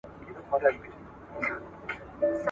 غازیان به نمانځي پردي پوځونه `